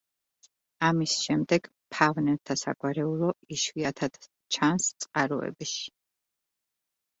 ამის შემდეგ ფავნელთა საგვარეულო იშვიათად ჩანს წყაროებში.